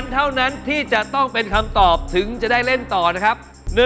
เท่านั้นที่จะต้องเป็นคำตอบถึงจะได้เล่นต่อนะครับ